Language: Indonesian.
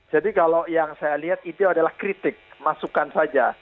jadi kalau yang saya lihat itu adalah kritik masukkan saja